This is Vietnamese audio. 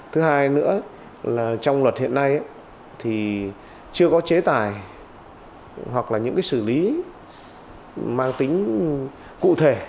thứ hai nữa là trong luật hiện nay thì chưa có chế tài hoặc là những cái xử lý mang tính cụ thể